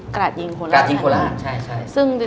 กระดยิงโคลาดใช่